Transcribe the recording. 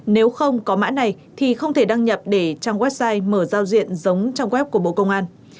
nếu không có mã này thì không thể đăng nhập để trang website mở giao diện giống trong web của bộ công an